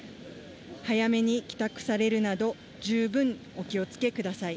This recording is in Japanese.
早めに帰宅されるなど、十分お気をつけください。